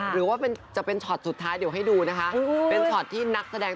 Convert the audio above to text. หรือว่าจะเป็นช็อตสุดท้ายเดี๋ยวให้ดูนะคะ